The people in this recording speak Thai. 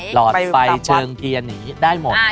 หลอดไฟเชิงเทียนนี้ได้หมด